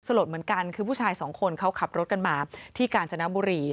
ลดเหมือนกันคือผู้ชายสองคนเขาขับรถกันมาที่กาญจนบุรี